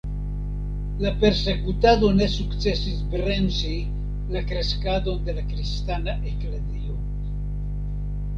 La persekutado ne sukcesis bremsi la kreskadon de la kristana eklezio.